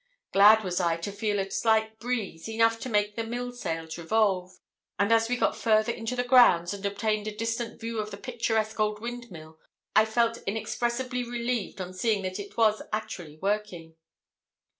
Glad was I to feel a slight breeze, enough to make the mill sails revolve; and as we got further into the grounds, and obtained a distant view of the picturesque old windmill, I felt inexpressibly relieved on seeing that it was actually working.